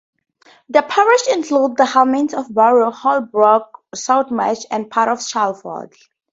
The parish includes the hamlets of Barrow, Holbrook, Southmarsh, and part of Shalford.